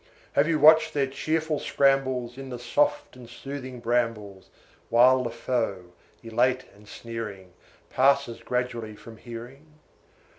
Have you watched their cheerful scrambles In the soft and soothing brambles While the foe, elate and sneering, Passes gradually from hearing?